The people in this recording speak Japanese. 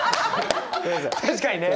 確かにね！